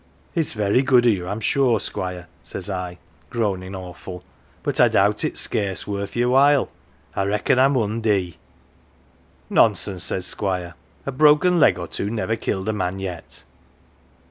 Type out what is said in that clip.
1 "' It's very good of you, Fm sure, Squire, 1 says I, groanin 1 awful, ' but I doubt its scarce worth your while I reckon I mun dee. 1 "' Nonsense, 1 said Squire, ' a broken leg or two never killed a man yet.